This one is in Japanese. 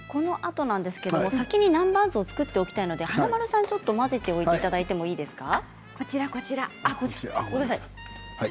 先に南蛮酢を作っていきたいので華丸さん混ぜていただいていいですか？